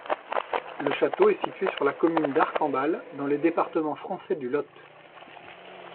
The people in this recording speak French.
Le château est situé sur la commune d'Arcambal, dans le département français du Lot.